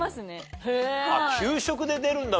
給食で出るんだ？